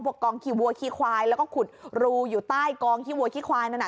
กองขี้วัวขี้ควายแล้วก็ขุดรูอยู่ใต้กองขี้วัวขี้ควายนั่นน่ะ